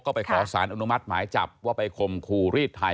ก็ไปขอสารอนุมัติหมายจับว่าไปคมครูรีดไทย